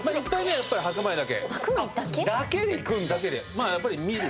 まあやっぱり見る。